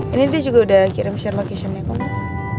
ini dia juga udah kirim share location nya commerce